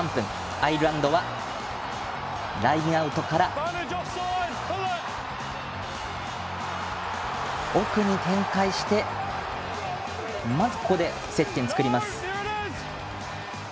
アイルランドはラインアウトから奥に展開してまず接点を作ります。